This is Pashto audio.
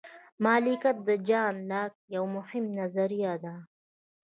مالکیت د جان لاک یوه مهمه نظریه ده.